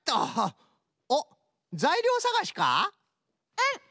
うん。